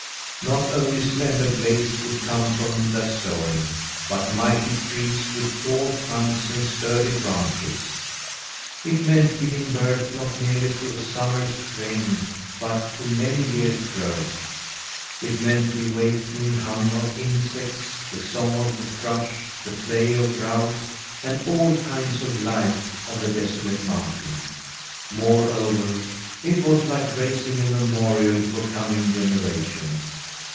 Not only slender blades would come from that sowing, but mighty trees with tall trunks and sturdy branches. It meant giving birth not merely to a summer's grain, but to many years' growths. It meant the awakening hum of insects, the song of the thrush, the play of grouse and all kinds of life on the desolate mountain. Moreover, it was like raising a memorial for coming generations.